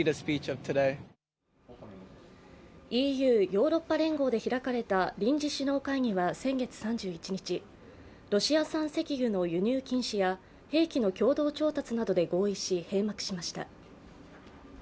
ＥＵ＝ヨーロッパ連合で開かれた臨時首脳会議は先月３１日、ロシア産石油の輸入禁止や兵器の共同調達などで合意し閉幕しました。